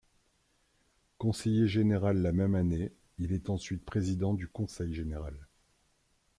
Conseiller général la même année, il est ensuite président du Conseil général.